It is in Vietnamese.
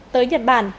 tới nhật bản